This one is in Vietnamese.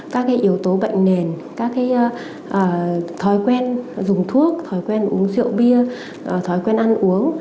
các yếu tố bệnh nền các thói quen dùng thuốc thói quen uống rượu bia thói quen ăn uống